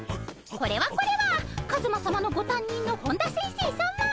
これはこれはカズマさまのごたんにんの本田先生さま。